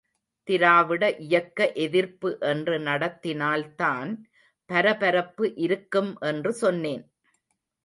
திராவிட இயக்க எதிர்ப்பு என்று நடத்தினால்தான் பரபரப்பு இருக்கும் என்று சொன்னேன்.